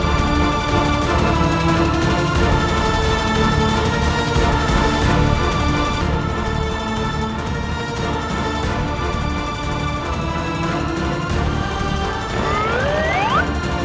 pak hasi kasih atas